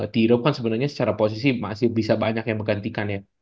tiro kan sebenarnya secara posisi masih bisa banyak yang menggantikan ya